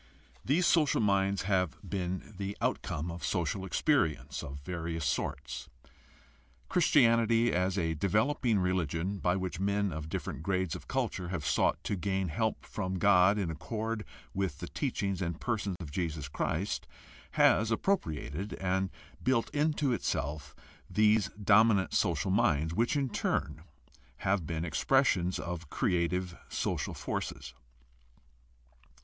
These social minds have been the outcome of social experience of various sorts. Christianity, as a developing religion by which men of different grades of culture have sought to gain help from God in accord with the teaching and person of Jesus Christ, has appropriated and built into itself these dominant social minds, which in turn have been expressions of creative social forces.